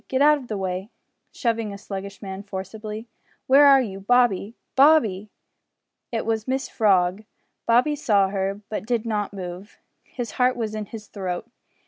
Git out o' the way," (shoving a sluggish man forcibly), "where are you, Bobby? Bo o o o o by!" It was Mrs Frog! Bob saw her, but did not move. His heart was in his throat!